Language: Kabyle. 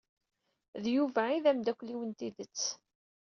D Yuba i d amdakel-iw n tidett.